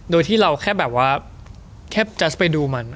โดยที่เราแค่แบบว่าแค่จะไปดูมัน